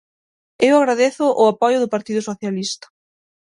Eu agradezo o apoio do Partido Socialista.